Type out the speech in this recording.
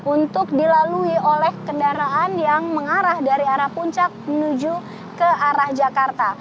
untuk dilalui oleh kendaraan yang mengarah dari arah puncak menuju ke arah jakarta